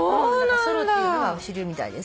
ソロって言うのが主流みたいです。